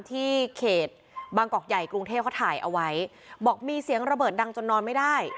ที่เขตบางกอกใหญ่กรุงเทพเขาถ่ายเอาไว้บอกมีเสียงระเบิดดังจนนอนไม่ได้